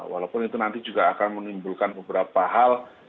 walaupun itu nanti juga akan menimbulkan beberapa hal